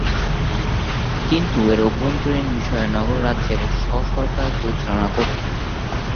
কিন্তু এর অভ্যন্তরীণ বিষয় নগর রাজ্যের স্ব-সরকার পরিচালনা করতো।